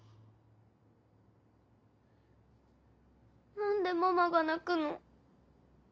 何でママが泣くの？